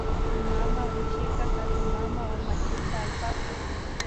Mamawishita hatunmama urmachishka allpapi